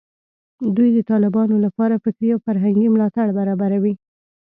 دوی د طالبانو لپاره فکري او فرهنګي ملاتړ برابروي